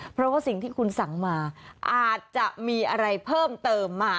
เพราะว่าสิ่งที่คุณสั่งมาอาจจะมีอะไรเพิ่มเติมมา